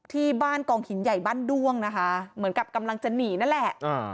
ที่บ้านกองหินใหญ่บ้านด้วงนะคะเหมือนกับกำลังจะหนีนั่นแหละ